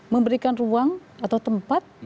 memberikan ruang atau tempat